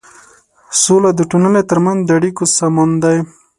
سوله د ټولنې تر منځ د اړيکو سمون دی.